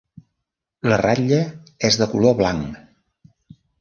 La ratlla és de color blanc.